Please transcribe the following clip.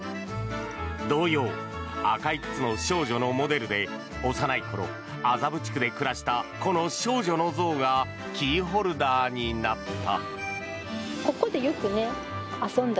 童謡「赤い靴」の少女のモデルで幼い頃、麻布地区で暮らしたこの少女の像がキーホルダーになった。